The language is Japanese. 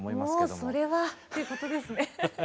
もうそれはっていうことですね。